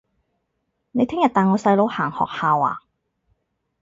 你聽日帶我細佬行學校吖